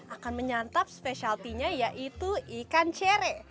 akan menyantap spesialty nya yaitu ikan cere